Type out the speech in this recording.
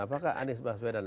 apakah anies baswedan